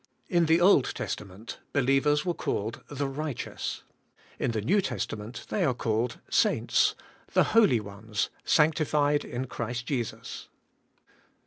In the Old Testament, believers were called the right eous; in the New Testament they are called saints, the holy ones, sanctified in Christ Jesus.